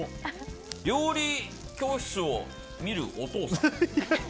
料理教室を見るお父さん。